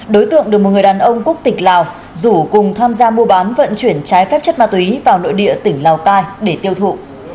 đối tượng được một người đàn ông quốc tịch lào rủ cùng tham gia mua bán vận chuyển trái phép chất ma túy vào nội địa tỉnh lào cai để tiêu thụ